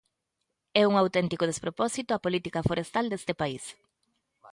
É un auténtico despropósito a política forestal deste país.